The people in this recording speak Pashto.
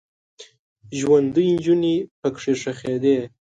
ژوندۍ نجونې پکې ښخیدې.